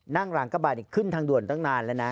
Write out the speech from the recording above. นั่งรางกระบาดขึ้นทางด่วนตั้งนานแล้วนะ